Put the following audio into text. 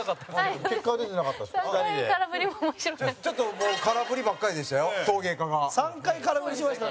蛍原：ちょっと空振りばっかりでしたよ